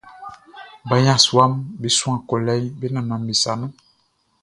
Ba yasuaʼm be suan kolɛ be nannanʼm be sa nun.